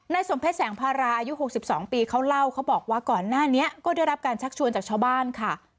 สมเพชรแสงพาราอายุ๖๒ปีเขาเล่าเขาบอกว่าก่อนหน้านี้ก็ได้รับการชักชวนจากชาวบ้านค่ะ